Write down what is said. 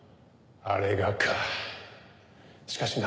あれがか。